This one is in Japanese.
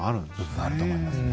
あると思いますね。